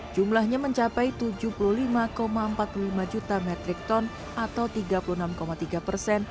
jumlahnya mencapai tujuh puluh lima empat puluh lima juta metrik ton atau tiga puluh enam tiga persen